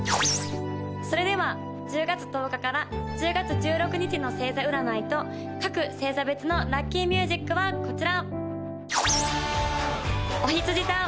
それでは１０月１０日から１０月１６日の星座占いと各星座別のラッキーミュージックはこちら！